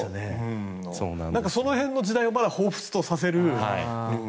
その辺の時代をほうふつとさせる。